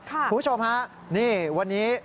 คุณผู้ชมฮะนี่วันนี้